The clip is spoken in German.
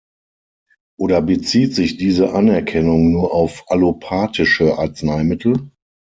Oder bezieht sich diese Anerkennung nur auf allopathische Arzneimittel?